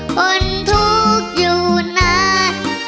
คนทุกข์อยู่นาน